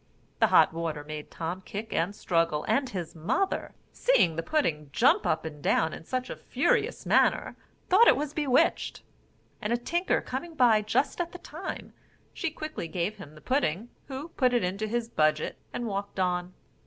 The hot water made Tom kick and struggle; and his mother, seeing the pudding jump up and down in such a furious manner, thought it was bewitched; and a tinker coming by just at the time, she quickly gave him the pudding, who put it into his budget and walked on.